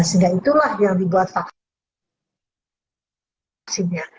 sehingga itulah yang dibuat vaksinnya